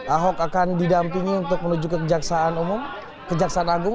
ahok akan didampingi untuk menuju ke kejaksaan agung